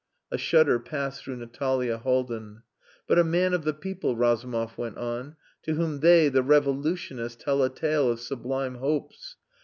A shudder passed through Natalia Haldin. "But a man of the people," Razumov went on, "to whom they, the revolutionists, tell a tale of sublime hopes.